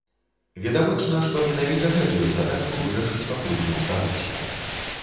Відавочна, што менавіта гэтую задачу вырашыць пакуль не ўдалося.